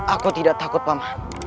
aku tidak takut paman